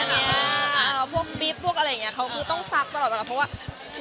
แบบนี้แบบนี้เราบอกใหล่าวของน้องอย่างไรบ้าง